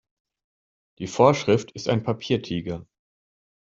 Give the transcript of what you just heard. Die Vorschrift ist ein Papiertiger.